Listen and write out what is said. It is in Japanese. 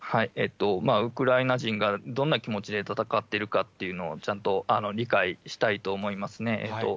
ウクライナ人がどんな気持ちで戦っているかというのを、ちゃんと理解したいと思いますね。